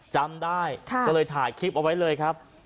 จำได้ก็เลยถ่ายคลิปเอาไว้เลยครับ